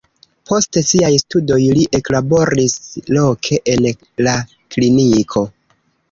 Post siaj studoj li eklaboris loke en la kliniko.